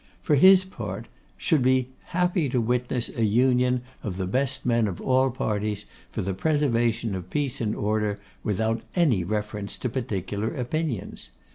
For his part, should be happy to witness an union of the best men of all parties, for the preservation of peace and order, without any reference to any particular opinions.